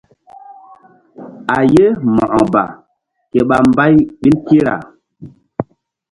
A ye Mo̧ko ba ke ɓa mbay ɓil kira.